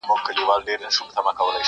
هر سړي ته خپله ورځ او قسمت ګوري،